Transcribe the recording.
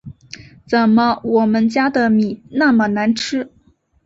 怎么我们家的米那么难吃